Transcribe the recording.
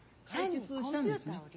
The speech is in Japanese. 解決したんですね？